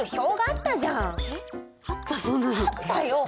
あったよ！